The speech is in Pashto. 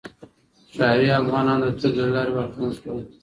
ښاري افغانان د تورې له لارې واکمن شول.